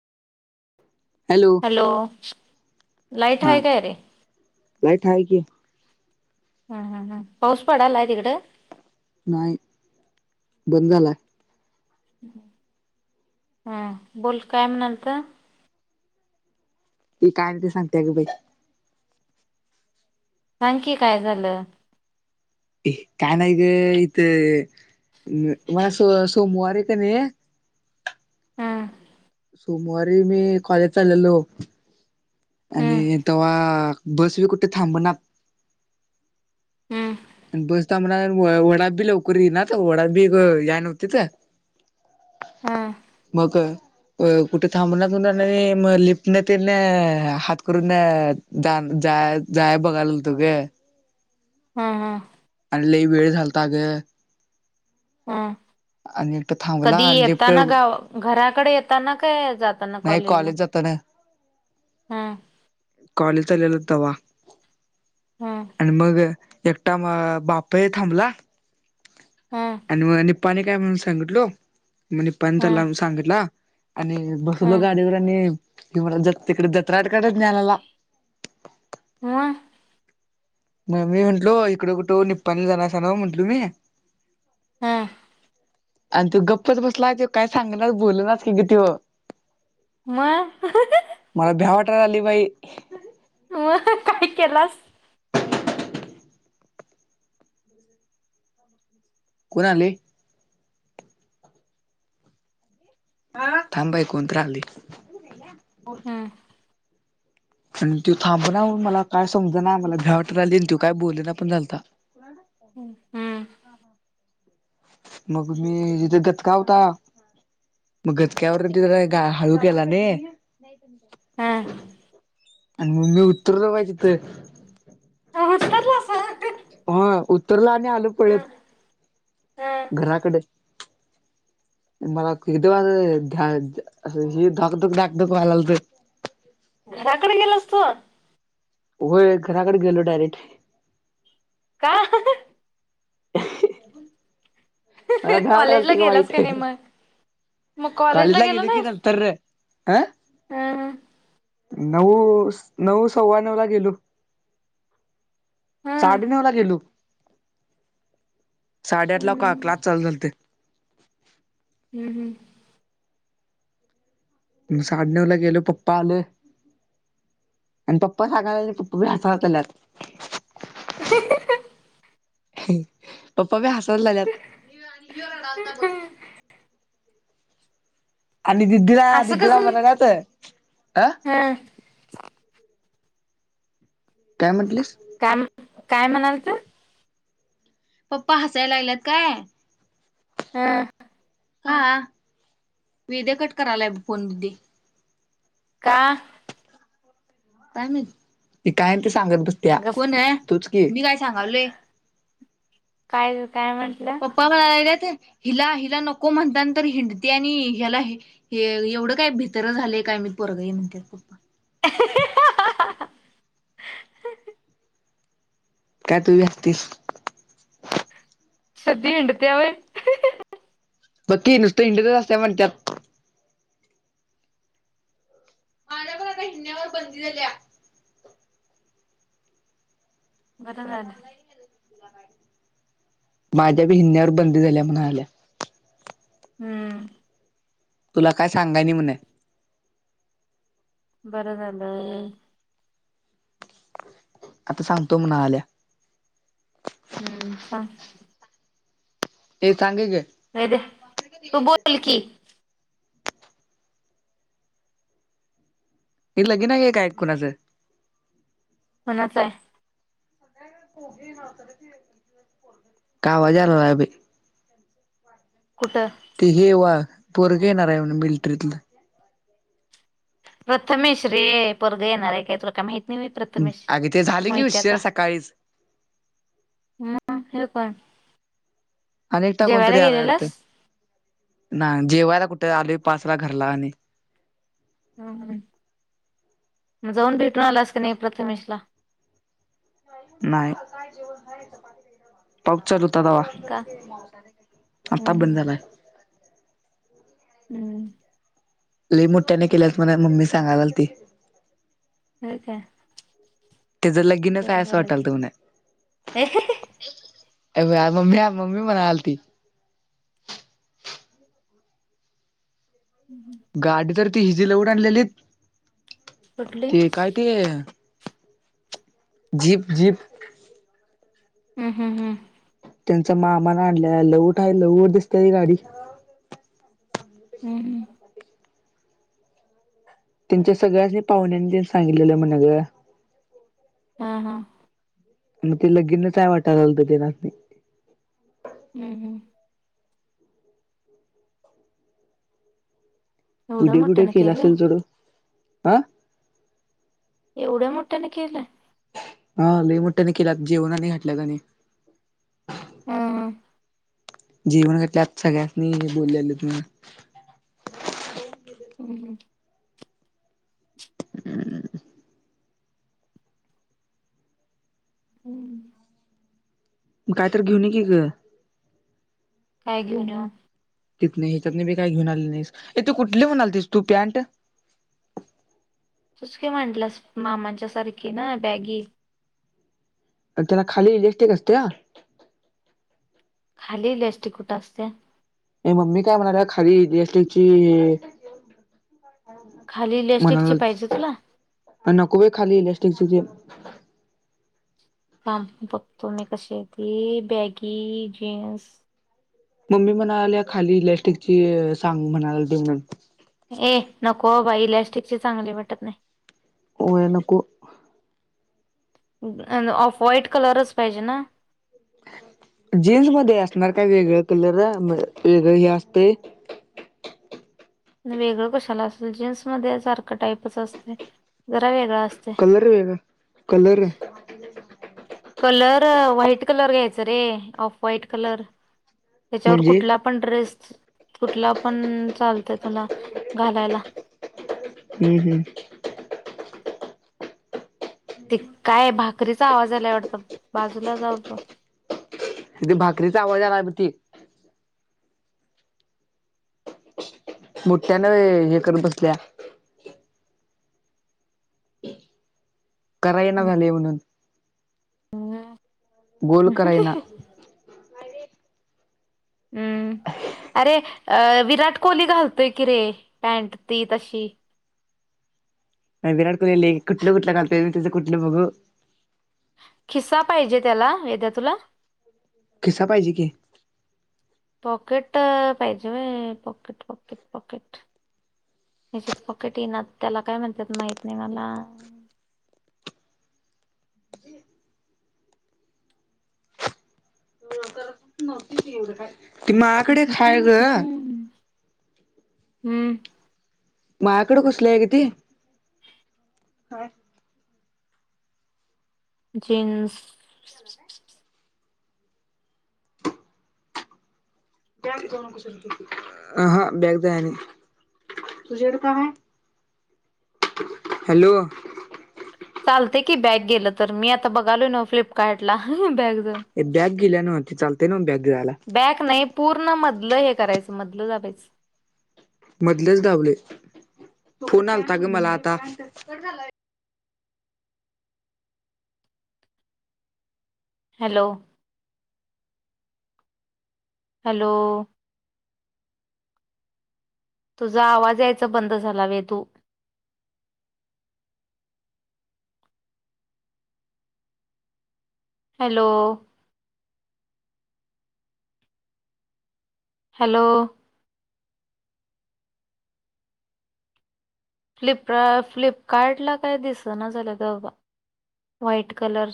Hello light हा आहे काय रे लाईट हाय क हम् हम हम पाऊस पडाला आहे तिकडं नाही बंद झालाय हम बोल काय म्हणाल तर तेी काय नाही ते सांगतेय का बाई सां की काय झालं काय नाही ग इथं मला सोमवार आहे का नाही हम सोमवारी मी कॉलेज चाललेलो आणि हं तेव्हा बस तुम्ही कुठे थांब ना हम् आणि बसतामला वडा बी लवकर येई ना तर वडा बी या नव्हती तर हं मग अ कुठे थांबला म लिप्टन तेना हात करून जा जा जाय बघाय तु ग हा हा आणि लई वेळ घलता ग हम आणि एकटं थांबला कधी आणि येताना लिफ्टवर गाव घराकडे येताना काय जाताना नाही कॉलेजला कॉलेज जाताना. हम् कॉलेज चालेला होता वा हं आणि मग एकटा म बाप थांबला हं आणि म पणी काय म्ह सांगितलंो म्हणे पण हं त्याला सांगितला आणि बसलंो हं गाडीवर आणि क तिकडे दत्राट काडेच ज्ञनाला हा म मी म्हंटलो इकडं कुठं निप्पानी जाणार अस ना म्हंटल मी हा आणि तू गप्पच बसला ते काय सांगणार बोल ना की कितीव म अली वई अ काय केलास कोणा आले थांबाय कोणत राली हं आणि त थांब ना मला काय समज ना मला घ्यावट राहिली आणि त काय बोल ना पण झालता हं हा मग मी जिथे गतका होता मग गचक्यावर ति गा हळू केला न हं आणि मम्ी उतरलं पायच तर अला हा उतरला आणि आल पळत हं हं घराकडे मला ख वा ह धकधक डाक क वयला लागते घराकडे गेलस तू होय घराकडे गेलो डायरेक्ट का मला भॅड कॉलेजला आलती का गेलास वाईट नाही मग मग कॉलेजला कालीजला गेल की नंतर अ हा ह नऊ नऊ सव्वा नऊ ला गेलो. हं साडे नऊ ला गेलो. साडेआठ हं ला का हं. क्लास चालू झालत. हम्म हम्म म साड नऊ ला गेलो पप्पा आलं. आणि पप्पा सांगायला पप्पाबी हसा त्यालात. [inaudible] पप्पा बी हसा लाल्यात आणि दिदीला असं दिदीला कसं म्हणाल्यात अ हं काय म्हंटलीस? काय काय म्हणालत? पप्पा हसायला लागल्यात काय? हम्म का विदे कट करलाय ब फोन दीदे. का? काय माहित ते काय आण सांगत बसत्या कोण? गप तुच की मी काय सांगालोय? काय काय म्हटलं? पप्पा म्हणायला हिला हिला नको म्हणतान तर हिंडत्या आणि ह्याला हे एवढं काय भितर झालंय! काय मी पोरगं ये म्हणत्यात पप्पा. [inaudible] काय तू बी हसतीस? सद्दी हिंडत्या होय? बघ की नुसतं हिंडतच असत्या म्हणत्यात. माझ्या पण आता हिंडण्यावर बंदी झाल्या. बरं झालं. माझ्या बी हिंडण्यावर बंदी झाल्या म्हणाल्या. हम्म तुला काय सांगाय नाही म्हण. बरं झालं. आता सांगतो म्हणा लागल्या. हम्म सांग. ए सांग की ग अरे तू बोल की. तिथं लगीन आहे काय कुणाचं? कोणाच आहे? काय आवाज यालालाय बाई. कुठं? ते हे वा पोरगं येणार आहे म्हण मिलट्रीतलं. प्रथमेश रे पोरगं येणार आहे काय तुला काय माहित नाही व्हय प्रथमेश अगे ते झाले की उशीर मोहित्याचा सकाळीच हे काय? अनेकटा कोण तरी आलाय वाटतं. नाय जेवायला कुठं आलोय पाच ला घरला आणि हम्म हम्म म जाऊन भेटून आलास की नाही प्रथमेशला? नाही पाऊस चालू होतं तवा का आता बंद हम्म झालाय. हम्म लई मोठ्याने केल्यात म्हणा मम्मी सांगायलालती. होय काय? त्याचं लगिनच आहे बरं असं झालं वाटल की त म्ह मम्मी मम्मी मनाल त गाडी तर ती हिजीला उड आणलेलीत कुठली ते हम्म काय ते जिप जिप हम् हम् हम्म त्यांचा मामाला आणल्या लवठ आहे लवट दिसते ती गाडी हम्मम त्यांच्या सगळ्याच पाहुण्यानी त्यां सांगितलेलं म्हण ग हा हा मग ते लगिन नचय वाट झालत तेना नाही हम्म हम् एवढ्या उढे पुुठे मोठ्यानं केलं असेल सोड हा एवढ्या मोठ्याने केलं हा लई मोनी केला जेवणाने घटल्या त्यांनी हम्म जीवण घल्यात सगळ्यातनी बोललेलं तु हम् ह हम्म हम्म कायत घेऊन की ग काय घेऊन तिथ नाही ह्याच्यात नाही बी काही घेऊ आले नाहीस इथे कुठली म्हऊ आली तस तू पॅन्ट तस काय म्हटलंस मामांच्या सारखी ना बॅगी त्याला खाली इंलेक्टिक असते खाली लस्टी कुठं असते मम्मी काय म्हणाला खालीसटची खाली म्हणा इलॅस्टिकची पाहिजे तुला नकोब खाली कच ज ां बघतो मी कशी आहे ती बॅगी जीन्स मम्मी म्हणाले खाली इलस्टिकची सांग म्हणाले त ए नको बा इलॅस्टिकचे चांगले वाटत नाही हो नक व्हाईट कलरच पाहिजे ना जीन्स मध्ये असणार काय वेगळ कलर वेगळ हे असते [inaudible] वेगळं कशाला असेल जीन्स मध्ये सारखं टाईपच असते जरा वेगळा असते कलर वेग कलर कलर व्हाईट कलर घ्यायच रे ऑफ व्हाईट कलर त्याच्यावर म्हणजे कुठला पण ड्रेस कुठला पण चालतंय तुला घालायला हम्म हम्म ते काय भाकरीचा आवाज यायला आवडत बाजूला जाऊन थे भाकरीचा आवाज आहेला त मोठठ्यान हे करत बसल्या कराय ना झालेय म्हणून हो गोोलकरन हम्म अरे अ विराट कोहली घालतोय की रे पॅन्ट ती तशी नाही विराट कोहली ल कुठलं कुठलं का कुठलं बघू खिस्सा पाहिजे त्याला यद्या तुला खिसा पाहिजे की पॉकेट पाहिजे होय पॉकेट पॉकेट पॉकेट हच्यात पॉकेट येना त्याला काय म्हणतात माहित नाही मला [inaudible] ती माकडे खा ग हम्म मायाकडे कुसले आहे ग ती ह जीन्स अ हा बॅग द आणि तुझ्या कडे काय हाय हॅलो चालते की बॅग गेलं तर मी आता बघालो ना फ्लिपकार्टला बॅग ज िेो लते नव्ह बॅग घ्यायला बॅक नाही पूर्ण मधलं हे करायचं मधलं दाबायच मधलेच दाबलंय फोन आलता ग मला आता हॅलो हॅलो तुझा आवाज यायचा बंद झाला वेदू हॅलो हॅलो फ्लप फ्लिपकार्ट ला काय दिस ना झालं दबा व्हाईट कलर